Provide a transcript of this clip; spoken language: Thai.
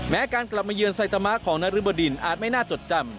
การกลับมาเยือนไซตามะของนรึบดินอาจไม่น่าจดจำ